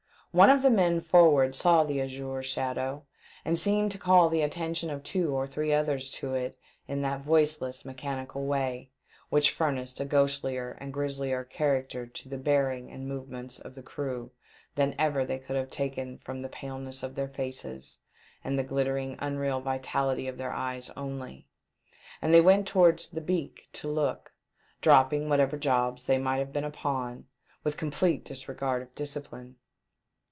One of the men forward saw the azure shadow, and seemed to call the attention of two or three others to it in that voiceless, mechanical way, which furnished a ghostlier and grislier character to the bearing and movements of the crew than ever they could have taken from the paleness of their faces, and the glittering, unreal vitality of their eyes only ; and they went towards the beak to look, dropping whatever jobs they might have been upon, with complete disregard of discipline.